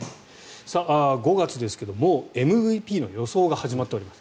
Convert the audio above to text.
５月ですがもうＭＶＰの予想が始まっています。